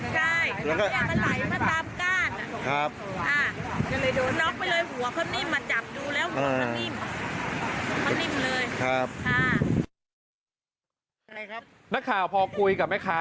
คล้ายมันไหลมาตามก้าน